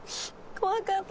「怖かった」。